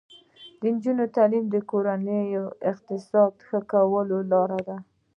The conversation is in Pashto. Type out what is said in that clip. د نجونو تعلیم د کورنۍ اقتصاد ښه کولو لاره ده.